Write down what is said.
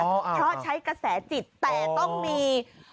เพราะใช้กระแสจิตแต่ต้องมี